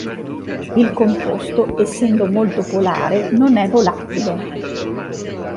Il composto, essendo molto polare, non è volatile.